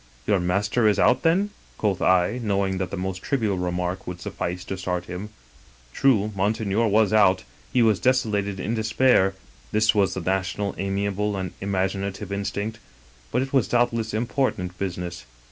"' Your master is out, then ?' quoth I, knowing that the most trivial remark would suffice to start him. 119 English Mystery Stories "True, Monseigneur was out; he was desolated in despair (this with the national amiable and imaginative in* stinct); *but it was doubtless important business.